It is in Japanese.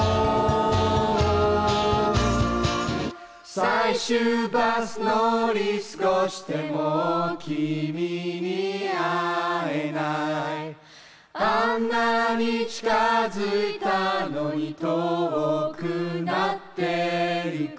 「最終バス乗り過ごして」「もう君に会えない」「あんなに近づいたのに遠くなってゆく」